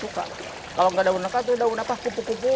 kalau enggak daun nangka itu daun pupu pupu